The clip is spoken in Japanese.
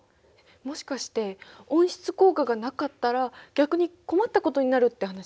もしかして温室効果がなかったら逆に困ったことになるって話？